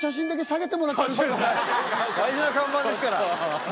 大事な看板ですから。